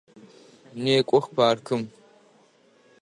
Некӏох паркым!